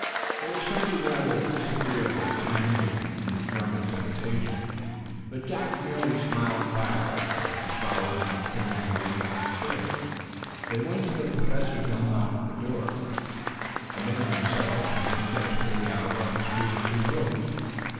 There was something rather disagreeably commanding in the German's invitation, but Jack merely smiled quietly as he followed in the stranger's wake. Up the stairs they went. The Professor unlocked a door, admitting himself and his guest to the outer of a suite of two rooms.